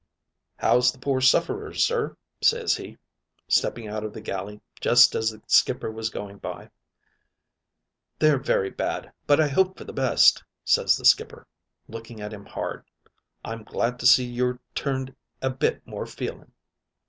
"'How's the pore sufferers, sir?" ses he, stepping out of the galley jest as the skipper was going by. "'They're very bad; but I hope for the best,' ses the skipper, looking at him hard. 'I'm glad to see you're turned a bit more feeling.'